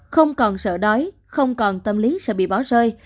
không còn sợ đói không còn tâm lý sẽ bị bỏ rơi